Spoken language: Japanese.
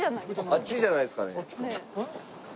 あっちじゃないですかね。